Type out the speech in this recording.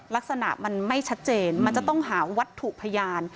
ลักษณะมันไม่ชัดเจนมันจะต้องหาวัตถุพยาน